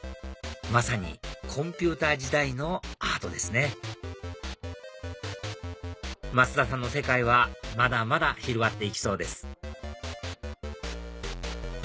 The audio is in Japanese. まさにコンピューター時代のアートですね増田さんの世界はまだまだ広がって行きそうです